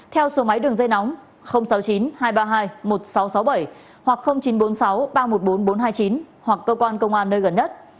theo số máy đường dây nóng sáu mươi chín hai trăm ba mươi hai một nghìn sáu trăm sáu mươi bảy hoặc chín trăm bốn mươi sáu ba trăm một mươi bốn nghìn bốn trăm hai mươi chín hoặc cơ quan công an nơi gần nhất